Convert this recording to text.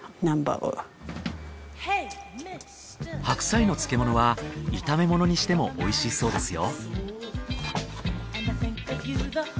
白菜の漬け物は炒め物にしてもおいしいそうですよ